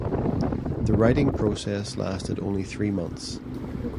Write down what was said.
The writing process lasted only three months.